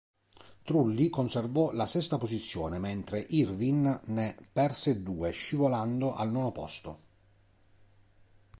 Trulli conservò la sesta posizione, mentre Irvine ne perse due, scivolando al nono posto.